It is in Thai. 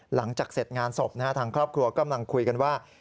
หลังจากเสร็จงานศพทางครอบครัวกำลังคุยกันว่า